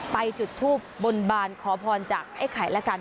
จุดทูบบนบานขอพรจากไอ้ไข่แล้วกัน